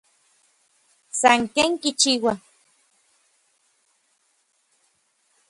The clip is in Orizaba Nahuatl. San ken kichiua.